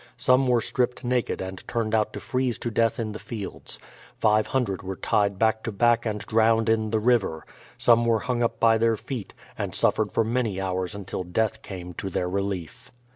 Some were stripped naked and turned out to freeze to death in the fields. Five hundred were tied back to back and drowned in the river. Some were hung up by their feet, and suffered for many hours until death came to their relief.